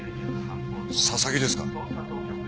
佐々木ですか？